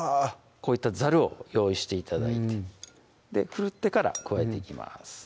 こういったざるを用意して頂いてふるってから加えていきます